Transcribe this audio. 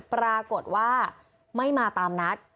ปรากฏว่าไม่มาตามนัด